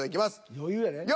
余裕やで。